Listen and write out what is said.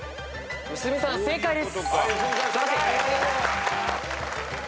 原さん正解です。